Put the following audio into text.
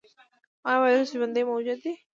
ایا ویروس ژوندی موجود دی؟